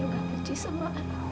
kamu juga benci sama anak